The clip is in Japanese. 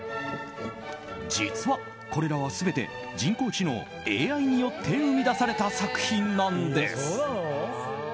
実は、これらは全て人工知能・ＡＩによって生み出された作品なんです。